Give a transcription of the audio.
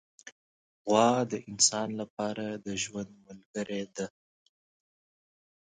غوا د انسان له پاره د ژوند ملګرې ده.